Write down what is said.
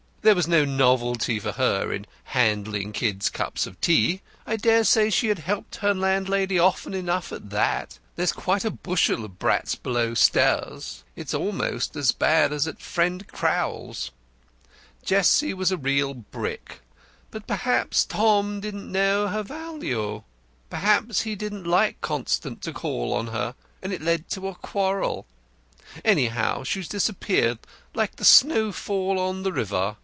There was no novelty for her in handing kids cups of tea. I dare say she had helped her landlady often enough at that there's quite a bushel of brats below stairs. It's almost as bad as at friend Crowl's. Jessie was a real brick. But perhaps Tom didn't know her value. Perhaps he didn't like Constant to call on her, and it led to a quarrel. Anyhow, she's disappeared, like the snowfall on the river.